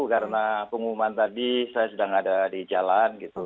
karena pengumuman tadi saya sedang ada di jalan gitu